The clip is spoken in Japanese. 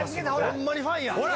ホンマにファンや！